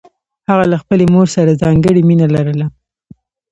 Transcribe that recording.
هغه له خپلې مور سره ځانګړې مینه لرله